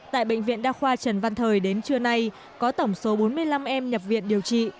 tại bệnh viện đa khoa trần văn thời đến trưa nay có tổng số bốn mươi năm em nhập viện điều trị